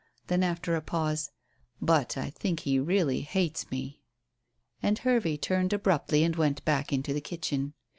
Then, after a pause, "But I think he really hates me." And Hervey turned abruptly and went back into the kitchen.